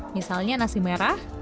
misalnya nasi merah